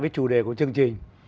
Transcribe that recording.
với chủ đề của chương trình